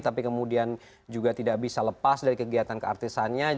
tapi kemudian juga tidak bisa lepas dari kegiatan keartisannya